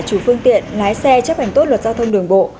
chủ phương tiện lái xe chấp hành tốt luật giao thông đường bộ